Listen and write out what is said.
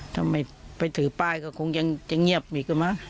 ถ้าไม่ไปถือป้ายก็คงยังเงียบอีกมาก